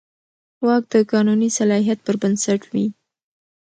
واک د قانوني صلاحیت پر بنسټ وي.